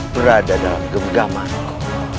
berada dalam gemgamanku